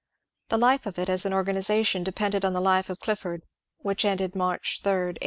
The life of it as an organization depended on the life of Clifford, which ended March 3, 1879.